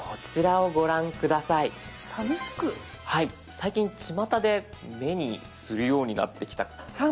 最近ちまたで目にするようになってきた。